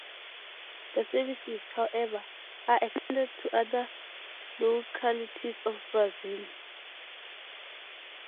The services, however, are extended to other localities of Brazil.